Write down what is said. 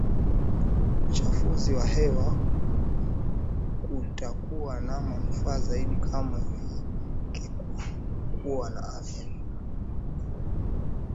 uchafuzi wa hewa kutakuwa na manufaa zaidi kama vike kuwa na afya